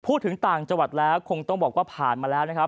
พูดถึงต่างจังหวัดแล้วคงต้องบอกว่าผ่านมาแล้วนะครับ